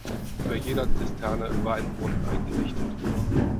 Über jeder Zisterne war ein Brunnen eingerichtet.